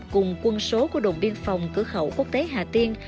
cùng quân số của đồn biên phòng cửa khẩu quốc tế hà tiên